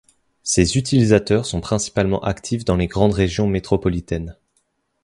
Ses utilisateurs sont principalement actifs dans les grandes régions métropolitaines.